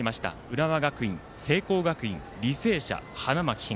浦和学院、聖光学院履正社、花巻東。